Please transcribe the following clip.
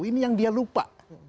ini yang dia lupa